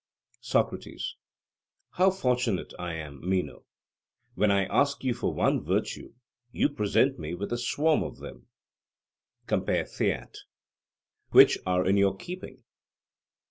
SOCRATES: How fortunate I am, Meno! When I ask you for one virtue, you present me with a swarm of them (Compare Theaet.), which are in your keeping.